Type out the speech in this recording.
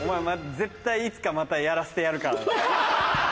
絶対いつかまたやらせてやるからな。